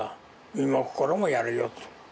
身も心もやるよって。